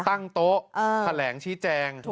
ตั้งโต๊ะแถลงชี้แจง